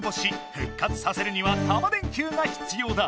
ふっ活させるにはタマ電Ｑがひつようだ。